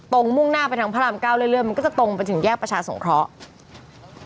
มุ่งหน้าไปทางพระรามเก้าเรื่อยมันก็จะตรงไปถึงแยกประชาสงเคราะห์